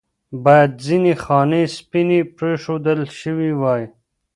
باید ځنې خانې سپینې پرېښودل شوې واې.